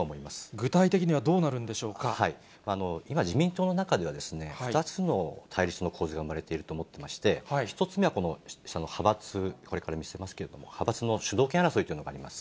具体的にはどうなるんでしょ今、自民党の中では、２つの対立の構図が生まれていると思っていまして、１つ目はこの派閥、これから見せますけれども、派閥の主導権争いというのがあります。